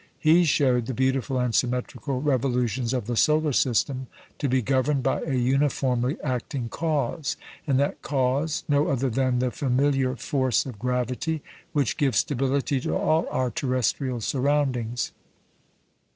He showed the beautiful and symmetrical revolutions of the solar system to be governed by a uniformly acting cause, and that cause no other than the familiar force of gravity, which gives stability to all our terrestrial surroundings.